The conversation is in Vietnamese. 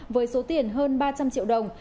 với số tiền hơn ba trăm linh triệu đồng